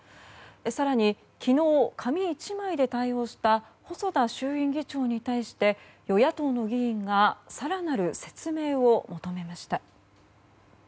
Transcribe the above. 更に昨日、紙１枚で対応した細田衆院議長に対して与野党の議員が更なる説明を求めました。